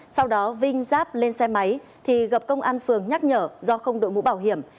sau đó vinh giáp lên xe máy thì gặp công an phường nhắc nhở do không đội mũ bảo hiểm